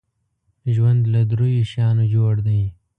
ژوند له دریو شیانو جوړ دی .